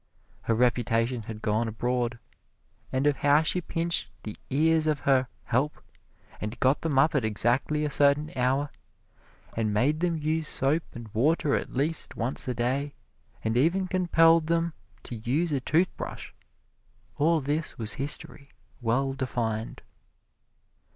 Her reputation had gone abroad, and of how she pinched the ears of her "help," and got them up at exactly a certain hour, and made them use soap and water at least once a day, and even compelled them to use a toothbrush; all this was history, well defined.